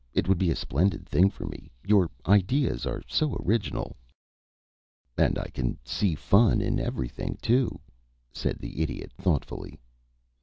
It would be a splendid thing for me your ideas are so original." "And I can see fun in everything, too," said the Idiot, thoughtfully.